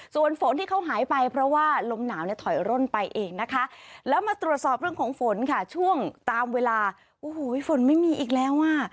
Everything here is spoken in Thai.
ส่วนฝนที่เขาหายไปเพราะว่าลมหนาวเนี่ยถอยร่นไปเองนะคะแล้วมาตรวจสอบเรื่องของฝนค่ะช่วงตามเวลาโอ้โหฝนไม่มีอีกแล้วอ่ะ